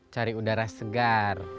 cari udara segar